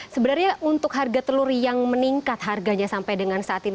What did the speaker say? sebenarnya untuk harga telur yang meningkat harganya sampai dengan saat ini